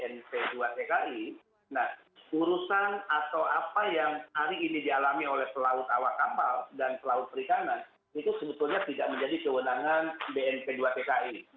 nah urusan atau apa yang diketahui yang harus diketahui publik bahwa di undang undang lama tiga puluh sembilan dua ribu empat terkait bnp dua tki